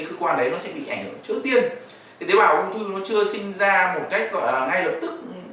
cơ quan đấy nó sẽ bị ảnh hưởng trước tiên thì nếu bào ung thư nó chưa sinh ra một cách gọi là ngay lập tức